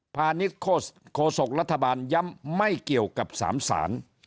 พาณิคโศกรัฐบาลย้ำไม่เกี่ยวกับสามสาร